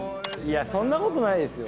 そんなことないですよ。